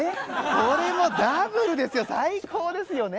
これもダブルですよ最高ですよね。